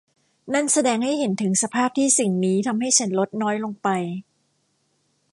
นั่นแสดงให้เห็นถึงสภาพที่สิ่งนี้ทำให้ฉันลดน้อยลงไป